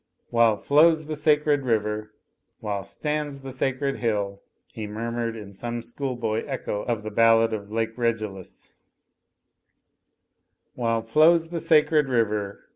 "While flows the sacred river, While stands the sacred hill," he murmured in some schoolboy echo of the ballad of Lake Regillus, "While flows the sacred river.